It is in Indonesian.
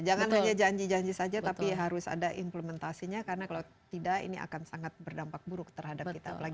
jangan hanya janji janji saja tapi harus ada implementasinya karena kalau tidak ini akan sangat berdampak buruk terhadap kita